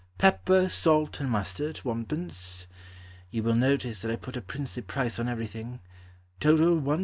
Pepper, salt, and mustard, 1d. (You will notice that I put a princely price on everything), Total, 1s.